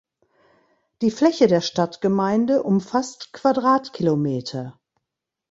Die Fläche der Stadtgemeinde umfasst Quadratkilometer.